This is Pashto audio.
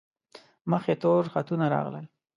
مخ یې تور خطونه راغلل.